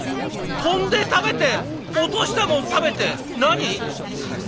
飛んで食べて落としたもん食べて何？